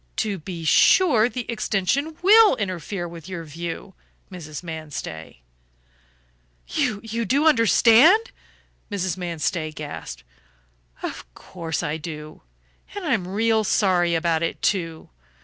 To be sure, the extension WILL interfere with your view, Mrs. Manstey." "You do understand?" Mrs. Manstey gasped. "Of course I do. And I'm real sorry about it, too.